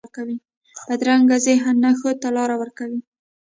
بدرنګه ذهن نه ښو ته لار ورکوي